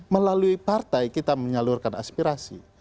melalui partai kita menyalurkan aspirasi